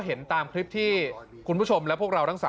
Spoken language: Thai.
โอ้น่าจะดัง